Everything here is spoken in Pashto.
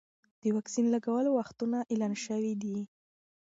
د واکسین لګولو وختونه اعلان شوي دي.